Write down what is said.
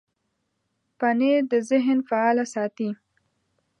پنېر د ذهن فعاله ساتي.